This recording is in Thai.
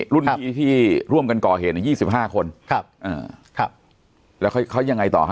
รุ่นที่ที่ร่วมกันก่อเหตุเนี่ยยี่สิบห้าคนครับอ่าครับแล้วเขายังไงต่อฮะ